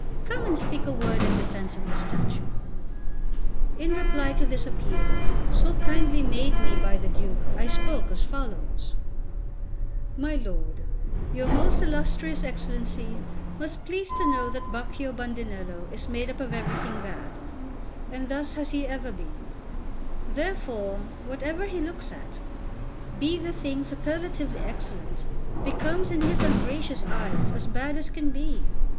Come and speak a word in defence of the statue." In reply to this appeal, so kindly made me by the Duke, I spoke as follows: "My lord, your most illustrious Excellency must please to know that Baccio Bandinello is made up of everything bad, and thus has he ever been; therefore, whatever he looks at, be the thing superlatively excellent, becomes in his ungracious eyes as bad as can be.